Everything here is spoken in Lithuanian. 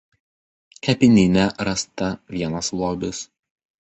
Kapinyne rasta vienas lobis.